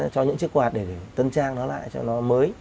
cho những chiếc quạt để tân trang nó lại cho nó mới